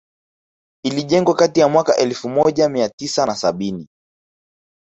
Ilijengwa kati ya mwaka elfu moja mia tisa na sabini